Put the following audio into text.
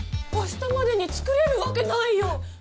明日までに作れるわけないよ。